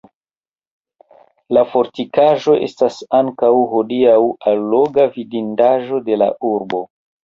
La fortikaĵo estas ankaŭ hodiaŭ alloga vidindaĵo de la urbo.